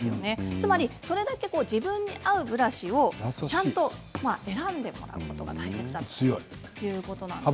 つまり、それだけ自分に合うブラシをちゃんと選ぶことが大切だということなんです。